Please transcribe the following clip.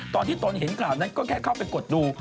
ตอนที่โต๊นเห็นข่าวนั้นก็แค่เข้าไปกดดู